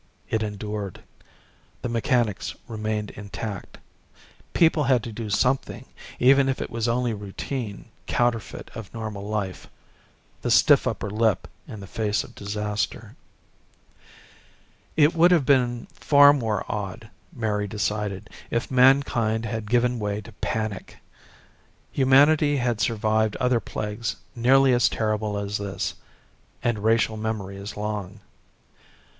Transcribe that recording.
It endured. The mechanics remained intact. People had to do something even if it was only routine counterfeit of normal life the stiff upper lip in the face of disaster. It would have been far more odd, Mary decided, if mankind had given way to panic. Humanity had survived other plagues nearly as terrible as this and racial memory is long.